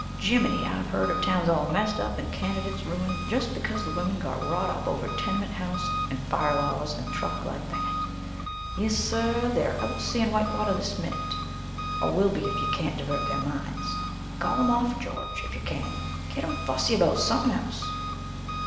"Jimminee, I've heard of towns all messed up and candidates ruined just because the women got wrought up over tenement house an' fire laws an' truck like that. Yes sir, they're out seein' Whitewater this minut, or will be if you can't divert their minds. Call 'em off, George, if you can. Get 'em fussy about sumpen else."